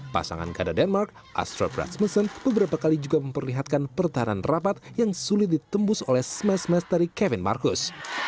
pasangan ganda denmark astro bradsmussen beberapa kali juga memperlihatkan pertahanan rapat yang sulit ditembus oleh smash smash dari kevin marcus